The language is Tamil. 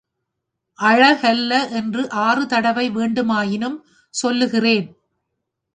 அழகல்ல என்று ஆறு தடவை வேண்டுமாயினும் சொல்கிறேன்.